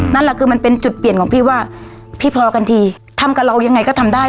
นั่นแหละคือมันเป็นจุดเปลี่ยนของพี่ว่าพี่พอกันทีทำกับเรายังไงก็ทำได้